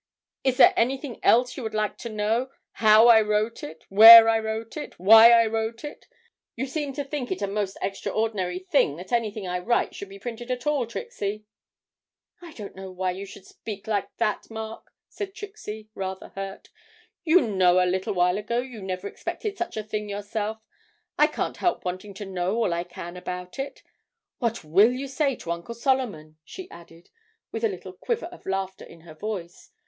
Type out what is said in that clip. Is there anything else you would like to know how I wrote it, where I wrote it, why I wrote it? You seem to think it a most extraordinary thing that anything I write should be printed at all, Trixie.' 'I don't know why you should speak like that, Mark,' said Trixie, rather hurt; 'you know a little while ago you never expected such a thing yourself. I can't help wanting to know all I can about it. What will you say to Uncle Solomon?' she added, with a little quiver of laughter in her voice.